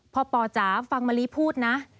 พอปอจ๋าฟังมะลิพูดนะ